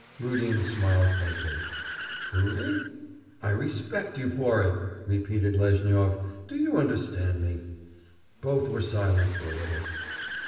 Rudin smiled faintly. 'Truly?' 'I respect you for it!' repeated Lezhnyov. 'Do you understand me?' Both were silent for a little.